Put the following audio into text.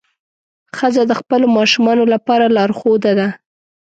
ښځه د خپلو ماشومانو لپاره لارښوده ده.